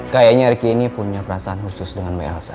kayaknya ricky ini punya perasaan khusus dengan mbak elsa